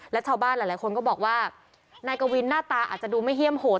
และชาวบ้านหลายคนก็บอกว่านายกวินหน้าตาอาจจะดูไม่เฮี่ยมโหด